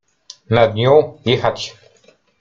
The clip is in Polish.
Nad nią — „jechać”.